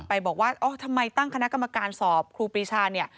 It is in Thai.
บอกว่าอ๋อทำไมตั้งคณะกรรมการสอบครูปรีชาเนี่ย